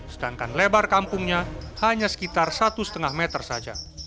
sedangkan lebar kampungnya hanya sekitar satu lima meter saja